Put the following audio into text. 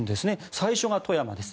最初が富山です。